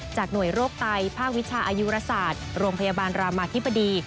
หน่วยโรคไตภาควิชาอายุรศาสตร์โรงพยาบาลรามาธิบดี